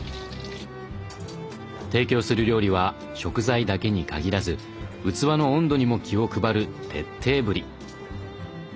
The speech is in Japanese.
提供する料理は食材だけに限らず器の温度にも気を配る徹底ぶり。